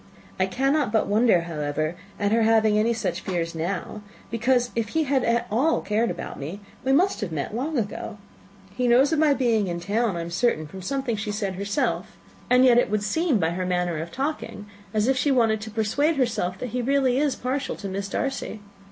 I cannot but wonder, however, at her having any such fears now, because if he had at all cared about me, we must have met long, long ago. He knows of my being in town, I am certain, from something she said herself; and yet it would seem, by her manner of talking, as if she wanted to persuade herself that he is really partial to Miss Darcy.